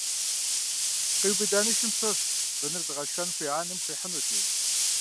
Къиубыда нышым щосхь, быныр зыгъэшхэн хуей анэм хуихьынущи.